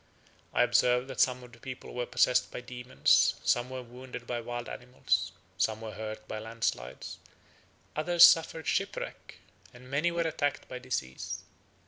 I observed that some of the people were possessed by demons, some were wounded by wild animals, some were hurt by landslides, others suffered shipwreck, and many were attacked by disease.